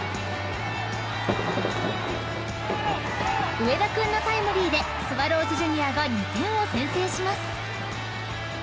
［上田君のタイムリーでスワローズジュニアが２点を先制します］